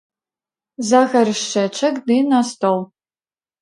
За гаршчэчак ды на стол.